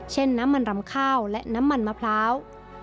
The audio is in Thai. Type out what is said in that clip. น้ำมันรำข้าวและน้ำมันมะพร้าว